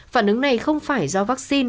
phản ứng này không phải do vaccine